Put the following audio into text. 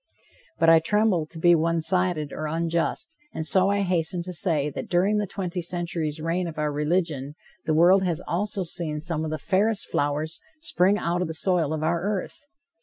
But I tremble to be one sided or unjust, and so I hasten to say that during the twenty centuries' reign of our religion, the world has also seen some of the fairest flowers spring out of the soil of our earth.